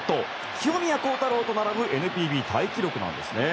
清宮幸太郎と並ぶＮＰＢタイ記録なんです。